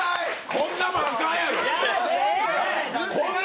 こんなもん、あかんやろ！